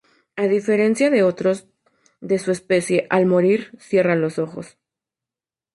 A diferencia de otros de su especie, al morir, cierra los ojos.